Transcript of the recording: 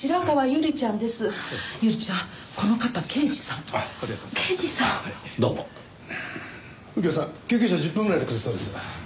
右京さん救急車１０分ぐらいで来るそうです。